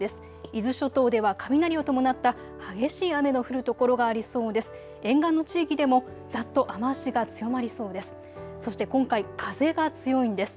伊豆諸島では雷を伴った激しい雨の降る所がありそうです。